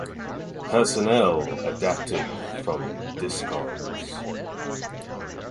Personnel adapted from Discogs.